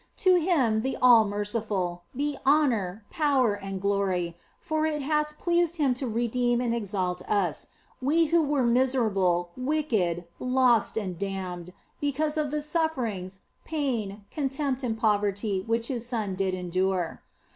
To Him, the all merciful, be honour, power, and glory, for it hath pleased Him to redeem and exalt us, we who were miserable, wicked, lost, and damned because of the sufferings, pain, contempt, and poverty which His Son did endure.